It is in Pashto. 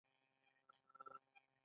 غړي خپل نظرونه وړاندې کوي.